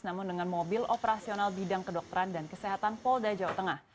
namun dengan mobil operasional bidang kedokteran dan kesehatan polda jawa tengah